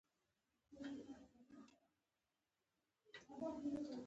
خوړل د ژمي خوړینه ښيي